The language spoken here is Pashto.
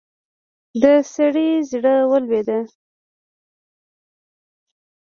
د سړي زړه ولوېد.